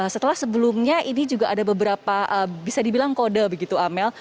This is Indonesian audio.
setelah sebelumnya ini juga ada beberapa bisa dibilang kode begitu amel